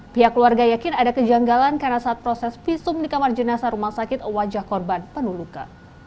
pihak keluarga yakin ada kejanggalan karena saat proses visum di kamar jenazah rumah sakit wajah korban penuh luka